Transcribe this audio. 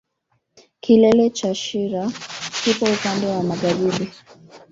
Kilele cha shira kipo upande wa magharibi